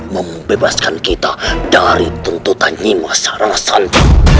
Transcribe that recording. membebaskan kita dari tuntutan ini masyarakat